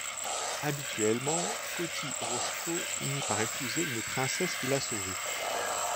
Habituellement, Kotyhorochko finit par épouser une princesse qu'il a sauvée.